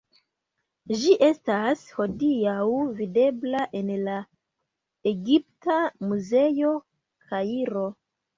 Ĝi estas hodiaŭ videbla en la Egipta Muzeo, Kairo.